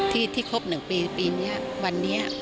ที่ที่คบหนึ่งปีปีนี้วันนี้